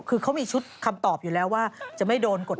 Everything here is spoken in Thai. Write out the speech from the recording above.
คือเขามีชุดคำตอบอยู่แล้วว่าจะไม่โดนกฎหมาย